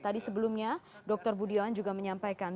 tadi sebelumnya dr budiawan juga menyampaikan